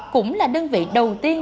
cũng là đơn vị đầu tiên